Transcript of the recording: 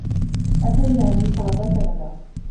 أتى إلى أمريكا عبر كندا.